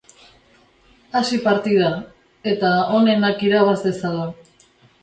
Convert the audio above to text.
Hasi partida, eta onenak irabaz dezala.